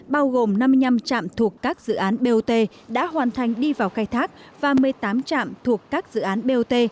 bao gồm năm mươi năm trạm thuộc các dự án bot đã hoàn thành đi vào khai thác và một mươi tám trạm thuộc các dự án bot